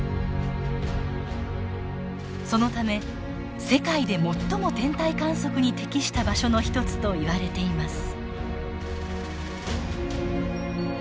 そのため世界で最も天体観測に適した場所の一つといわれています。